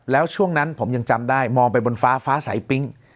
แล้วช่วงนั้นผมยังจำได้มองไปบนฟ้าฟ้าสายปิ๊ง